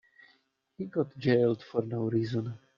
He got jailed for no reason.